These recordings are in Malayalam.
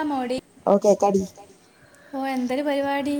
ആമോടി ഹോ എന്തൊരു പരിപാടി?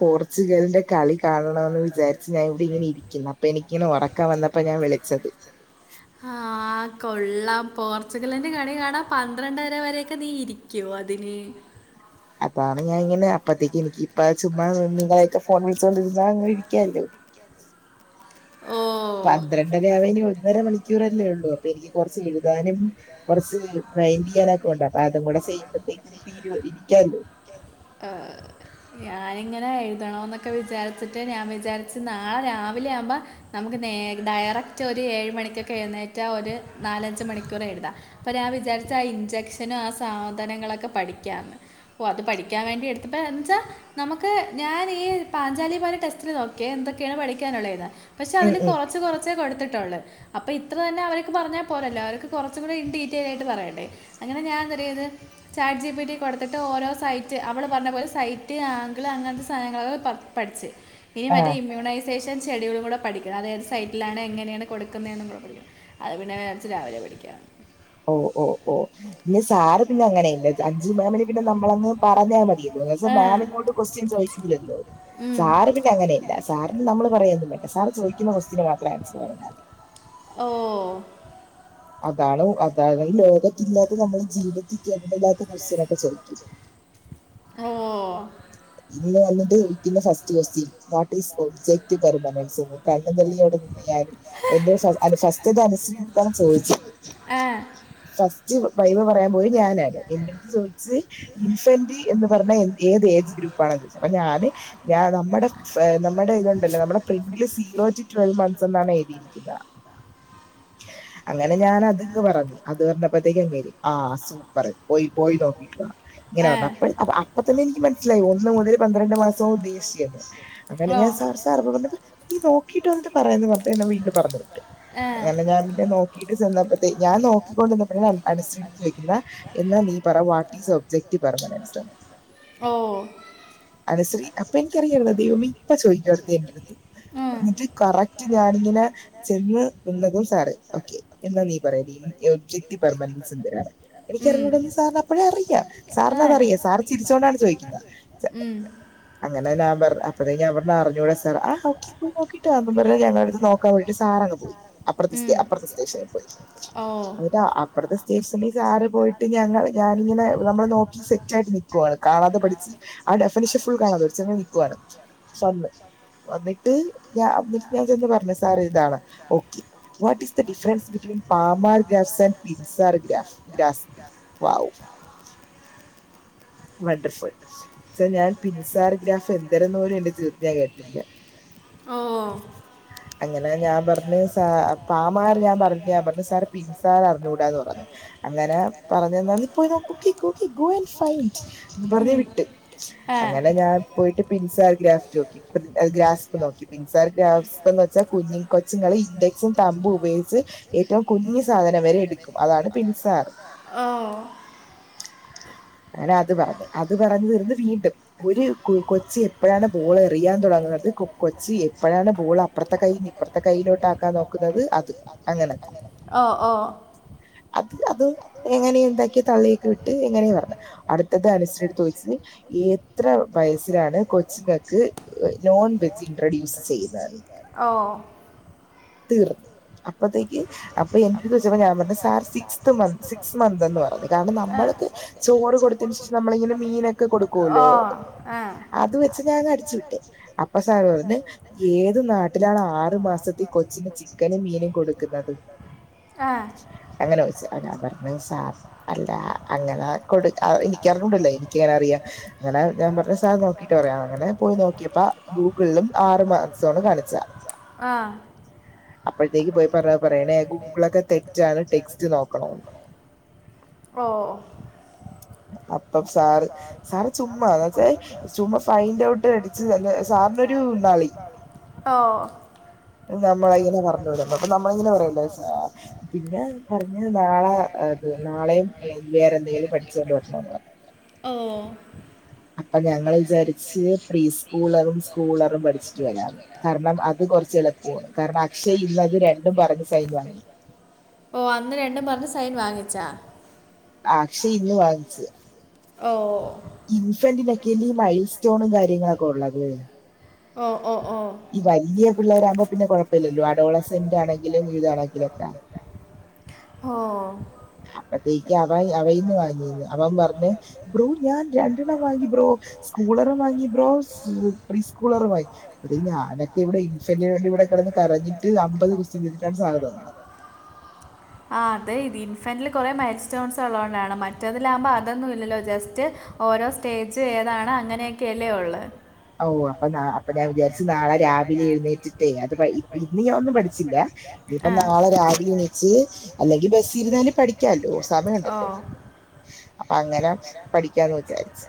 പോർച്ചുഗലിന്റെ കളി കാണണമെന്ന് വിചാരിച്ച് ഞാൻ ഇവിടെ ഇങ്ങനെ ഇരിക്കുന്നെ അപ്പൊ എനിക്കിനെ ഒറക്കവന്ന ഇപ്പൊ ഞാൻ വിളിച്ചത്. ആഹ് കൊള്ളാം പോർച്ചുഗലിന്റെ കളി കാണാ പന്ത്രണ്ടര വരെ നീ ഇരിക്കോ അതിന്? അതാണ് ഞാൻ ഇങ്ങനെ അപ്പഴത്തേക്ക് എനിക്കിപ്പ ചുമ്മാ നിങ്ങളൊക്കെ ഫോൺ വിളിച്ചോണ്ടിരുന്നാ അങ്ങനെ ഇരിക്കാല്ലോ. പന്ത്രണ്ടര ആവ ഇനി ഒന്നര മണിക്കൂല്ലേ ഒള്ളൂ. അപ്പൊ എനിക്ക് കൊറച്ച് എഴുതാനും. കുറച്ച് ൽ ഫ്രെയിം ചെയ്യാനൊക്കെ ഉണ്ട് അപ്പൊ അതും കൂടെ ചെയ്യുമ്പത്തേക്കും തീരു ഇരിക്കാല്ലോ. ആഹ് ഞാനിങ്ങനെ എഴുതണോന്നൊക്കെ വിചാരിച്ചിട്ട്. ഞാൻ വിചാരിച്ച് നാളെ രാവിലെ ആവുമ്പോ നമുക്ക് നേ ഡയറക്റ്റ് ഒരു ഏഴ് മണിക്കൊക്കെ എഴുന്നേറ്റാ ഒരു നാലഞ്ച് മണിക്കൂറെഴുത. പ്പ ഞാവിചരിച്ച ആ ഇൻചക്ഷനോ ആ സാധനങ്ങളൊക്കെ പഠിക്കാന്ന് ഓ അത് പഠി ക്കാൻ വേണ്ടി എടുത്തുട്ട് ന്ന്ച്ചാ നമുക്ക് ഞാൻ ഈ പാഞ്ചാലിപല ടെസ്റ്റില് നോക്കിയെ എന്തൊക്കേണ് പഠിക്കാനുള്ളേന്ന്. പക്ഷേ അതില് കൊറച്ച് കൊറച്ചേ കൊടുത്തിട്ടൊള്ള്. അപ്പൊ ഇത്ര തന്നെ അവര്ക്ക് പറഞ്ഞാ ഇത്രനെ പറഞ്ഞ പോരല്ലോ അവർക്ക് കൊറച്ചും കൂടി ഇൻഡീറ്റെയിലായിട്ട് പറയണ്ടേ. അങ്ങനെ ഞാൻന്തറിയെയ്ത് ചാറ്റ്ജി പി ട്ടി കൊടുത്തിട്ട് ഓരോ സൈ റ്റ് അവള് പറഞ്ഞ പോലെ സൈറ്റ് ആഗ്ള് അങ്ങൻത്തെ സാനങ്ങളൊക്കെ പ പഠിച്ച്. ഇനി മറ്റേ ഇമ്മ്യൂണൈസ് തേശം ചൊടിക ളും കൂടെ പഠിക്കണം അതേത് സൈറ്റിലാണ് എങ്ങനെയാണ് കൊടുക്കുന്നേന്നു കൂടെ പഠിക്കണം. അത് പിന്നെ വിയർച്ച് രാവിലെ പഠിക്കാന്ന്. ഓഹ് ഓഹ് ഓഹ് പിന്നെ സാറ് പിന്നെ അങ്ങനെയല്ല. അഞ്ചു മേമിന് പിന്നെ നമ്മളങ് പറഞ്ഞാ മതി. എകദോസം മേമിമ് ഇങ്ങോട്ട് ക്വസ്റ്റ്യൻ ചോയിക്കൂലല്ലോ. സാർ പിന്നെ അങ്ങനെയല്ല സാറിന് നമ്മള് പറയന്നും വേണ്ട സാർ ചോദിക്കുന്ന ക്വസ്റ്റിന് മാത്രം ആൻസർ പറഞ്ഞാ മതി. ഓഹ് അതാണ് അതാണ് ഈ ലോകത്തില്ലാത്ത നമ്മൾ ജീവിതത്തിൽ കേട്ട്ട്ടില്ലാത്ത ക്യസ്റ്റിനൊക്കെ ചോയിക്കും. ഓഹ് ഇന്ന് വന്നിട്ട് ഇൻക്കെന്നെ first question what is object പെർമനൻസ്ന്ന് കണ്ണ് തള്ളിയവ്ടെ മിലാര്ന്നു എന്റെ ഫ അല്ല ഫസ്റ്റ്ത്തെ അനുസ്രീടെടുത്താണ് ചോയിച്ചത്. ഫസ്റ്റ് വൈവ് പറയാൻ പോയി ഞാനായ്‌ര്ന്ന്. എൻ്റെട്ത്ത് ചോയിച്ച് ഇൻഫൻ്റി എന്ന് പറഞ്ഞ എ ഏത് ഏജ് ഗ്രൂപ്പാണെന്നോയ്ച്ച്. അപ്പൊ ഞാന് ഞാ നമ്മുടെ നമ്മുടെ ഇതൊണ്ടല്ലോ നമ്മുടെ പ്രിന്റെ സീറോജി ട്വൽവ് മന്ത്സ് ഒ എന്നാണ് എഴുതിയിരിക്കുന്നത്. അങ്ങനെ ഞാൻ അത്ങ്ങ് പറഞ്ഞി അത് പറഞ്ഞപ്പത്തേക്ക് അങ്ങേര് ആ സൂപ്പർ. പോയി പോയി നോക്കോ ഇങ്ങനെ അപ്പ അപ്പൊ തന്നെ എനിക്ക് മനസ്സിലായി ഒന്ന് മുതൽ പന്ത്രണ്ട് മാസമാ ഉദ്ദേശിച്ചന്ന്. അങ്ങനെ ഞാൻ സർ സാർ പറഞ്ഞപ്പോ നോക്കിട്ട് വന്നിട്ട് പറയായന്ന് പറഞ്ഞാ വീട്ടും പറഞ്ഞു. അങ്ങനെ ഞാൻ പിന്നെ നോക്കിട്ട് ചെന്നപ്പോ ഞാൻ നോക്കിക്കൊണ്ടന്നപ്പോ ഞൻ അനുശ്രീ ചോദിക്കുന്ന എന്നന്താ നീ പറ വാട്ട് ഈസ് ഒബ്ജക്ട് പർമനൻറ്സ്. ഓ അനുശ്രീ അപ്പൊ എനിക്കറിയായിരുന്നു ദൈവമേ ഇപ്പൊ ചോദിക്കും അടുത്ത എന്റെ അടുത്ത് എന്നിട്ട് കറക്റ്റ് ഞാാനിങ്ങനെ ചെന്ന് നിന്നതും സാറ് ഓക്കേ എന്നാ നീ പറയെടി ഒബ്ജെക്റ്റീവ് പെര്മനെന്റ്സ് എന്തിനാണ് എനിക്കറിഞ്ഞുകൂടന്ന് സാറിന് അപ്പോഴേ അറിയാം സാറിനതറിയ സാർ ചിരിച്ചോണ്ടാണ് ചോദിക്കുന്നത് അങ്ങനെ ഞാൻ പറഞ്ഞ് അപ്പോഴത്തേക്കും ഞാൻ പറഞ്ഞു അറിഞ്ഞുകൂടാ സാർ ആഹ് ഓക്കേ പോയി നോക്കിട്ട് വാ എന്നും പറഞ്ഞ് ഞങ്ങളെടുത്ത് നോക്കാൻ പോയിട്ട് സാറങ്ങ് പോയി അപ്പുറത്തെ അപ്പുറത്തെ സ്റ്റേഷൻ പോയി എന്നിട്ട് ആ- അവിടുത്തെ സ്റ്റേഷനിൽ സാറ് പോയിട്ട് ഞങ്ങൾ ഞാനിങ്ങനെ നമ്മള് നോക്കി സെറ്റ്റ്റായിട്ട് നി ക്കുവാണ് കാണാതെ പഠിച്ച് ആ ഡെഫിനിഷൻ ഫുൾ കാണാതെ പഠിച്ച് ഇങ്ങന നിക്കുവാരുന്നു വന്ന് വന്നിട്ട് ഞ എന്നിട്ട് ഞാൻ ചെന്ന് പറഞ്ഞ് സാറ് ഇതാണ് okay what is the difference between palmar ഗ്രാഫ്സ്ൻ pincer grasp. Wow wonderful so ഞാൻ പിൻസാർഗ്രാഫ് എന്തരെന്ന് പോലും എന്റെ ജീവിതത്തി ഞാൻ കേട്ടിട്ടില്ല ഓ അങ്ങനെ ഞാൻ പറഞ്ഞ് സ പാമാർ ഞാൻ പറഞ്ഞ് ഞാൻ പറഞ്ഞ് സാർ പിൻസാർ അറിഞ്ഞുകൂടാന്ന് പറഞ്ഞു അങ്ങനെ പറഞ്ഞന്ന് നീപ്പോയി നോക്കി കുക്കിക്കി ഗോ ആൻഡ് ഫൈൻഡ് എന്ന് പറഞ്ഞ് വിട്ട് അങ്ങനെ ഞാൻ പോയിട്ട് പിൻസാർ ഗ്രാഫ്റ്റ്നോക്കി ഗ്രഫ നോക്കി പിൻസാർ ഗ്രാഫ്സെന്ന് വെച്ചാൽ കുഞ്ഞും കൊച്ചുങ്ങളും ഇൻഡെക്സും തമ്പും ഉപയോഗിച്ച് ഏറ്റവും കുഞ്ഞു സാധനം വരെ എടുക്കും അതാണ് പിൻസാർ. ഓ അങ്ങനെ അത് പറഞ്ഞ് അത് പറഞ്ഞു തീർന്നു വീണ്ടും ഒരു കൊച്ച് എപ്പോഴാണ് ബോൾ എറിയാൻ തുടങ്ങുന്നത് കൊ കൊച്ച് എപ്പോഴാണ് ബോൾ അപ്പുറത്തെ കൈയിൽ നി അപ്പറത്തെ കൈയിലോട്ട് ആക്കാൻ നോക്കുന്നത് അത് അങ്ങനെ ഓ ഓ അത് അതും എങ്ങനെയൊ എന്താക്കിയ തള്ളി വിട്ട് എങ്ങനെയ പറഞ്ഞ അടുത്തത് അനുശ്രീയോട് ചോദിച്ച് എത്ര വയസ്സിലാണ് കൊച്ചുങ്ങൾക്ക് നോൺ വെജ് ഇൻട്രോഡുസ് ചെയ്യുന്നതെന്ന് തീർന്നു അപ്പത്തേക്ക് അപ്പൊ എന്റെടുത്ത് ചോദിച്ചപ്പോ ഞാൻ പറഞ്ഞ് sir six months six month എന്ന് പറഞ്ഞു കാരണം നമ്മൾക്ക്‌ ചോറ് കൊടുത്ത. ജസ്റ്റ് നമ്മളിങ്ങനെ മീനൊക്കെ കൊടുക്കുല്ലോ അത് വെച്ച് ഞാൻ അങ്ങ് അടിച്ചു വിട്ട് അപ്പ അപ്പൊ സാർ പറഞ്ഞ് ഏത് നാട്ടിലാണ് ആറു മാസത്തെ കൊച്ചിന് ചിക്കനും മീനും കൊടുക്കുന്നത്. അങ്ങനെ ചോദിച്ചു അപ്പോൾ ഞാൻ പറഞ്ഞു സർ അല്ല അങ്ങനെ കൊടുക്ക എനിക്കറിഞ്ഞൂടല്ലോ എനിക്കങ്ങനെ അറിയാം അങ്ങനെ ഞാൻ പറഞ്ഞ് സാർ നോക്കിട്ട് പറയാം അങ്ങനെ പോയി നോക്കിയപ്പ ഗൂഗിളിലും ആറു മാസമാണ് കാണിച്ചാ ആഹ് അപ്പോഴത്തേക്ക് പോയി പറഞ്ഞ പറയണേ ഗൂഗിളൊക്കെ തെറ്റാണ് ടെക്സ്റ്റ് നോക്കണന്ന്. ഓ അപ്പം സാറ് സാറ് ചുമ്മാ എന്താന്ന് വച്ചാ ചുമ്മാ ഫൈൻഡ് ഔട്ട് അ. സാറിനൊരു നളി നമ്മളിങ്ങനെ പറഞ്ഞു വിടും അപ്പൊ നമ്മളിങ്ങനെ പറയണ്ട സാർ പിന്നെ പറഞ്ഞ് നാളെ അത് നാളെയും വേറെ എന്തെങ്കിലും പഠിച്ചോണ്ട് വരണോന്ന് പറഞ്ഞ് ഓ അപ്പൊ ഞങ്ങള് വിചാരിച്ച് പ്രീസ്കൂളറും സ്കൂളറും പഠിച്ചിട്ട് വരാന്ന് കാരണം അത് കുറച്ച് എളുപ്പവാ കാരണം അക്ഷയ് ഇന്ന് അത് രണ്ടും പറഞ്ഞ് സൈൻ വാങ്ങി ഓഹ് അന്ന് രണ്ടും പറഞ്ഞ് സൈൻ വാങ്ങിച്ചാ ആഹ് അക്ഷയ് ഇന്ന് വാങ്ങിച്ചു ഓഹ് ഇൻഫന്റിനൊക്കെ ഈ മൈൽ സ്റ്റോണും കാര്യങ്ങളൊക്കെ ഉള്ളത് ഓഹ് ഓഹ് ഓഹ് ഈ വല്യ പിള്ളരാമ്പോ പിന്നെ കൊഴപ്പല്ലല്ലോ അടോള സെന്റ് ആണെങ്കിലും ഇതാണെങ്കിലൊക്കെ ഹോ അപ്പത്തേക്ക് അവൻ അവയിന്ന് വാങ്ങിരുന്നു അവൻ പറഞ് ബ്രൂ ഞാൻ രണ്ടെണ്ണം വാങ്ങി ബ്രോ സ്കൂളർ വാങ്ങി ബ്രോ പ്രീസ്കൂളറു ആയി ടൈ ഞാനൊക്കെ ഇവിടെ ഇൻസെന്റി വേണ്ടി ഇവിടെ കെടന്ന് കരഞ്ഞിട്ട് അമ്പത് [unintelligible] സാർ തന്നെ ആഹ് അതെ ഇത് ഇൻഫൻ്റില് കുറെ മൈൽ സ്റ്റോൺസ് ഉള്ളതോണ്ടാണ് മറ്റതിലാകുമ്പോ അതൊന്നും ഇല്ലല്ലോ ജസ്റ്റ് ഓരോ സ്റ്റേജ് ഏതാണ് അങ്ങനെയൊക്കെയല്ലേ ഉള്ളേ ഓഹ് അപ്പൊ അപ്പൊ ഞാൻ വിചാരിച്ചു നാളെ രാവിലെ എഴുന്നേറ്റിട്ടേ അത് ഇന്ന് ഞാൻ ഒന്നും പഠിച്ചില്ല അപ്പൊ നാളെ രാവിലെണീച്ച് അല്ലെങ്കി ബസ് ഇരുന്നാലും പഠിക്കാല്ലോ സമയണ്ടല്ലോ അപ്പ അങ്ങനെ പഠിക്കാന്ന് വിചാരിച്ചു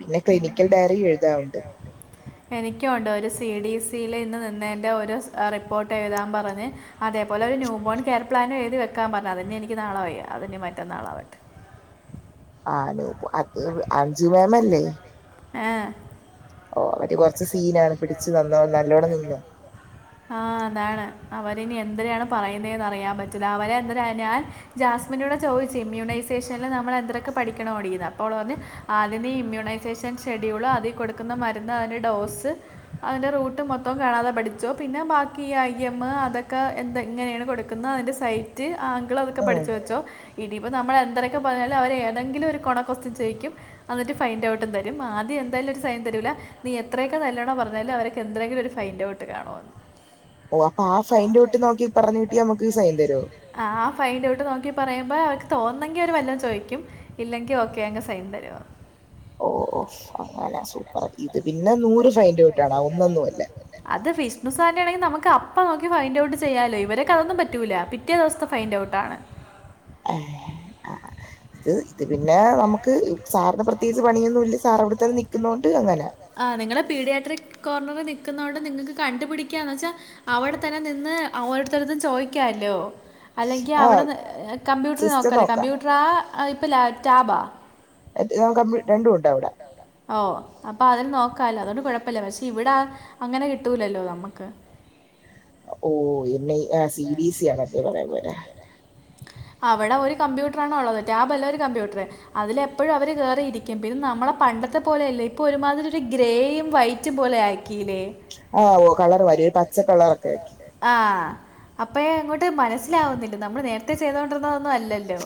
പിന്നെ ക്ലിനിക്കൽ ഡയറി എഴു ഇതാവ്ണ്ട് എനിക്കുണ്ട് ഒരു സി ഡി സിൽ ഇന്ന് നിന്നെന്റെ ഒരു റിപ്പോർട്ട് എഴുതാൻ പറഞ്ഞ് അതേപോലെ ന്യൂ ബോൺ കെയർ പ്ലാനുംഎഴുതി വെക്കാൻ പറഞ്ഞ്അതിന് എനിക്ക് നാളെവയ്യ അതിന് മറ്റന്നാളാവട്ടെ ആണ് അത് അഞ്ചു മേമല്ലേ ആഹ് ഓ അവര് കൊറച്ച് സീനാണ് പിടിച്ചു നിന്നോ നല്ലോണം നിന്നോ ആഹ് ന്നാണ് അവരിനി എന്തിരെയാണ് പറയുന്നേന്ന് അറിയാൻ പറ്റൂല്ല അവരെ ഇന്ന് ഞാൻ ജാസ്മിനോട് ചോയിച്ച് ഇമ്മ്യൂണൈസേഷനിൽ നമ്മൾ എന്തരോക്കെ പഠിക്കണോടിന്ന് അപ്പോ അവൾ പറഞ്ഞ് ആദ്യം നീ ഇമ്യൂണൈസേഷൻ ഷെഡ്യൂള് അതികൊടുക്കുന്ന മരുന്ന് അതിന്റെ ഡോസ് അതിന്റെ റൂട്ട് മൊത്തം കാണാതെ പഠി ച്ചോ പിന്നെ ബാക്കി ഐ എമ് അതൊക്കെ എന്ത ഇങ്ങനെയാണ് കൊടുക്കുന്നേ അതിൻ്റെ സൈ റ്റ് ആങ്കിൾ അതൊക്കെ പഠിച്ചു വെച്ചോ ഇനി ഇപ്പ നമ്മൾ എന്തരൊക്കെ പറഞ്ഞാലും അവരെതെങ്കിലും ഒരു കൊണക്കൊസ്റ്റൻ ചോയിക്കും എന്നിട്ട് ഫൈൻ് ഔട്ടും തരും ആദ്യം എന്തായാലും ഒരുസൈൻ തരൂല നീ എത്രയൊക്കെ നല്ലോണം പറഞ്ഞാലും അവർക്ക് എന്തെങ്കിലും ഒരു ഫൈൻഡ് ഔട്ട് കാണോന്ന് ഓ അപ്പൊ ആ ഫൈന്റെ ഔട്ട് നോക്കി പറഞ്ഞിട്ട് നമുക്ക് സൈൻ തരോ ആഹ് ആ ഫൈന്റെ ഔട്ട് നോക്കി പറയുമ്പോ അവക്ക് തോന്നെങ്കി അവര് വല്ലോം ചോയിക്കും ഇല്ലെങ്കി ഓക്കെ അങ് സൈൻ തരോ ഓഹ് ഓഹ് അങ്ങനെ സൂപ്പർ ഇത് പിന്നെ നൂറ് ഫൈന്റെ ഔട്ട് ആണ് ഒന്നൊന്നും അല്ല അത് ഫിഷണുസാറിന്റെ ആണെങ്കി നമുക്ക് അപ്പ നോക്കി ഫൈൻ് ഔട്ട് ചെയ്യാലോ ഇവരെക്ക അതൊന്നും പറ്റൂല്ല പിറ്റേ ദിവസത്തെ ഫൈന്റെ ഔട്ടാണ് ഏ ആഹ് ഇത് ഇത് പിന്നെ നമുക്ക് സാറിന്റെ പ്രത്യേകിച്ച് പണിയൊന്നും ഇല്ല സാർ അവിടെത്തന്നെ നിൽക്കുന്നോണ്ട് അങ്ങനെ ആഹ് നിങ്ങളെ പീഡിയാട്രി കോർണറിൽ നിക്കുന്നതോണ്ട് നിങ്ങക്ക് കണ്ടുപിടിക്കന്ന് വെച്ചാ അവിടെ തന്നെ നിന്ന് അവരട് ത്തന്നെചോദിക്കല്ലോ അല്ലെങ്കിൽ അവിടെ കമ്പ്യൂട്ടർ നോക്കലോ കമ്പ്യൂട്ടറാ ഇപ്പൊ ലാപ് ടാബാ [unintelligible] രണ്ടുണ്ട് അവിടെ ഓഹ് അപ്പൊ അതിന് നോക്കാലോ അതോണ്ട് കുഴപ്പല്ല പക്ഷെ ഇവിടെ അങ്ങനെ കിട്ടൂലല്ലോ നമുക്ക് ഓഹ് എൻ ഐ ആ സി വി സി ആണ് അതേ [unintelligible] അവിടെ ഒരു കമ്പ്യൂട്ടറാണ് ഉള്ളത് റ്റാബല്ല ഒരു കമ്പ്യൂട്ടറ് അതിലപ്പഴും അവര് കേറിയിരിക്കും പിന്നെ നമ്മളെ പണ്ടത്തെ പോലെയല്ലേ ഇപ്പൊ ഒരുമാതിരി ഒരു ഗ്രേയും വൈറ്റും പോലെ ആയി കീലെ ആഹ് ഓഹ് കളർ വര പച്ച കളറൊക്കെ ആക്കി ആഹ് അപ്പയെ അങ്ങോട്ട് മനസ്സിലാവുന്നില്ല നമ്മൾ നേരത്തെ ചെയ്തോണ്ടിരുന്നതൊന്നും അല്ലല്ലോ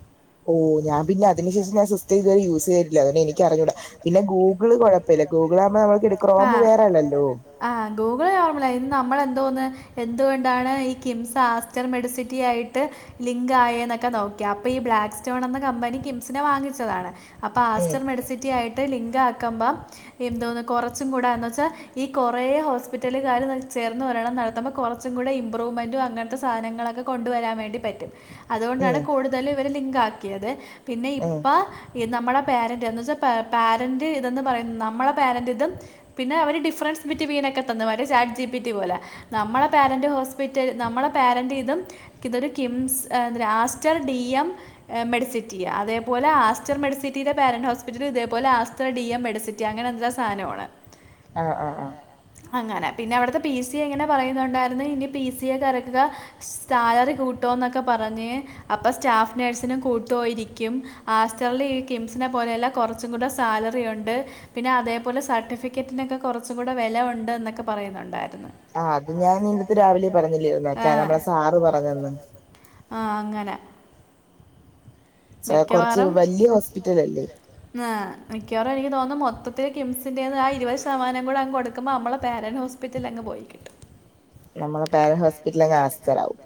[inaudible] ഓഹ് ഞാൻ പിന്നെ അതിനുശേഷംഞാൻ സിസ്റ്റം ഇതുവരെ യൂസ് ചെയ്തിട്ടില്ല അതോണ്ട് എനിക്കറിഞ്ഞൂട പിന്നെ ഗൂഗിള് കുഴ പ്പല്ല ഗൂഗിൾ ആകുമ്പോ നമ്മൾക്ക് ഇനി ക്രോം വേറല്ലല്ലോ ആഹ് ഗൂഗിള് ഓർമ്മല്ല ഇന്ന് നമ്മളെന്തോന്ന് എന്തുകൊണ്ടാണ് ഈ കിംസ് ആസ്റ്റർ മെഡിസിറ്റിയായിട്ട് ലിങ്ക് ആയേന്നൊക്കെ നോക്കി അപ്പൊ ഈ ബ്ലാക്ക് സ്റ്റോൺ എന്ന കമ്പനി കിംസിനെ വാങ്ങിച്ചതാണ് അപ്പൊ ആസ്റ്റർ മെഡിസിറ്റി ആയിട്ട് ലിങ്ക് ആക്കുമ്പം എന്തോന്ന് കൊറച്ചും കൂടെ എന്ന് വെച്ചാ ഈ കുറേ ഹോസ്പിറ്റലുകാര് ചേർന്ന് ഒരണം നടത്തുമ്പ കുറ ച്ചും കൂടെ ഇമ്പ്രൂവ്മെൻ്റും അങ്ങത്തെ സാനങ്ങളൊക്കെ കൊണ്ടുവരാൻ വേണ്ടി പറ്റും അതുകൊണ്ടാണ് കൂടുതലും ഇവര് ലിങ്ക് ആക്കിയത് പിന്നെ ഇപ്പ ഈ നമ്മടെ പാരന്റ് എന്ന് വെച്ചാ പാരന്റ് ഇതന്ന് പറയുന്ന നമ്മുടെ പാരന്റ് തും പിന്നെ അവര് ഡിഫറൻസ് ബിറ്റ് വീനൊക്കെ തന്ന് മറ്റേ ചാറ്റ് ജിബിറ്റി പോലെ നമ്മളെ പാരന്റ് ഹോസ്പിറ്റൽ നമ്മളെ പാരന്റ് ഇതും കിതൊരു കിംസ് രാസ്റ്റർ ഡി എം എഹ് മെഡിസിറ്റി അതപോലെ ആസ്റ്റർ മെഡിസിറ്റി പാരന്റ് ഹോസ്പിറ്റൽ ഇതേപലെ ആസ്റ്റർ ഡി എം മെഡിസിറ്റി അങ്ങനെ എന്ത സനമാണ് ആഹ് ആഹ് ആഹ് അങ്ങനെ പിന്നെ അവിടുത്തെ പി സി എങ്ങനെ പറയുന്നുണ്ടായിരുന്നു ഇനി പി സി എ കറക്കുക സാലറി കൂട്ടോന്നൊക്കെ പറഞ്ഞ് അപ്പൊ സ്റ്റാഫ് നേഴ്സിനും കൂട്ടോയിരിക്കും ആസ്റ്ററില് ഈ കിംസിനെ പോലെയല്ല കുറച്ചും കൂടെ സാലറി ഉണ്ട് പിന്നെ അതേ പോലെ സർട്ടിഫിക്കറ്റിനൊക്കെ കുറച്ചും കൂടെ വില ഉണ്ട്ന്നൊക്കെ പറയുന്നുണ്ടായിരുന്നു ആഹ് അത് ഞാൻ ഇന്ന് രാവിലെ പറഞ്ഞില്ലാരുന്നോ മറ്റെ നമ്മളെ സാറ് പറഞ്ഞന്ന് ആഹ് അങ്ങനെ മിക്കവാറും ആഹ് മിക്കവാറും എനിക്ക് തോന്നും മൊത്തത്തില് കിംസിൻന്റെന്ന് ആ ഇരുപത് ശതമാനം കൂടെ അങ് കൊടുക്കുമ്പോ നമ്മള പരൻ്റ് ഹോസ് പിറ്റല് അങ് പോയിക്കിട്ടും നമ്മള പേരഹോസ്പിറ്റല ഒക്കെ ആസ്റ്റർ ആവും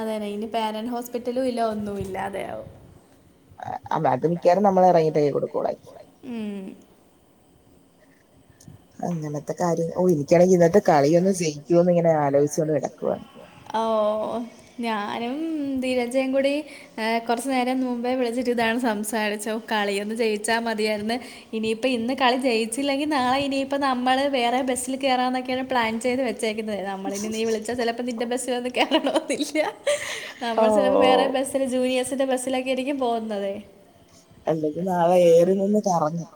അതെയന്നെ ഇനി പേരന്റ് ഹോസ്പിറ്റലും ഇല്ല ഒന്നുല്ലാതെ ആഉ അത് മിക്കാരും നമ്മള ഇറങ്ങിട്ടേ കൊടുക്കുളായിരിക്കും ഉം അങ്ങനത്തെ കാര്യം ഓഹ് എനിക്കാണെങ്കിൽ ഇന്നത്തെ കളിയൊന്ന് ജയിക്കുവോന്ന് ഇങ്ങനെ ആലോചിച്ചങ്ങ് കിടക്കുവ ഓഹ് ഞാനും ധീരജയും കൂടി എഹ് കുറച്ചു നേരം മുമ്പേ വിളിച്ചിട്ട് ഇതാണ് സംസാരിച്ചു കളിയൊന്ന് ജയിച്ചാ മതിയാരിന്ന് ഇനിയിപ്പ ഇന്ന് കളി ജയിച്ചില്ലെങ്കി നാളെ ഇനിയിപ്പ നമ്മള് വേറെ ബസ്സിൽ കേറാന്നൊക്കെയാണ് പ്ലാൻ ചെയ്ത് വെച്ചേക്കുന്നത് നമ്മളിനി നീ വിളിച്ചാ ചിലപ്പോ നിന്റെ ബസ്സിലൊന്ന് കേറണോന്നില്ല നമ്മൾ ചിലപ്പോ വേറെ ബസ്സില് ജൂനിയേഴ്സിന്റെ ബസ്സിലൊക്കെ ആയിരിക്കും പോകുന്നതെ അല്ലെങ്കി നാളെ ഏറി നിന്ന് കറങ്ങു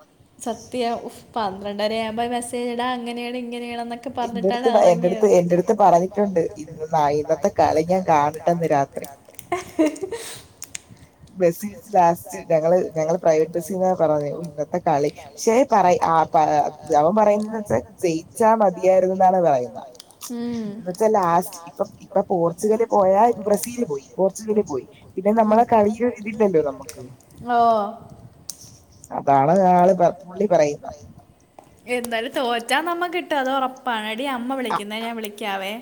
സത്യം ഉഫ് പന്ത്രണ്ടര ആകുമ്പോ മെസ്സേജ് ഇടാ അങ്ങനെയാണ് ഇങ്ങനെയാണൊക്കെ ക്കെ പറഞ്ഞിട്ടാണ് ഉറങ്ങിയത് [inaudible] ബസ്ച്ച് ലാസ്റ്റ് ഞങ്ങള് ഞങ്ങള് പ്രൈവറ്റ് ബസ്സിൽന്ന് പറഞ്ഞേ ഇന്നത്തെ കളി പക്ഷെ പറ ആ അവൻ പറയുന്ന വച്ചാ ജയിച്ചാ മതിയായിരുന്നു എന്നാണ് പറയുന്നത് എന്ന വച്ചാൽ ലാസ്റ്റ് ഇപ്പ ഇപ്പൊ പോർച്ചുഗല് പോയാൽ ഇപ്പ ബ്രസീല് പോയി പോർച്ചുഗല് പോയി പിന്നെ നമ്മളെ കയ്യ് ഒയിവ് ഇല്ലല്ലോ നമുക്ക് അതാണ് ആള് [unintelligible] എന്തായാലും തോറ്റാ നമ്മ കിട്ടും അത് ഉറപ്പ് പാണ് എടീ അമ്മ വിളിക്കുന്നെ ഞാൻ വിളിക്കാവേ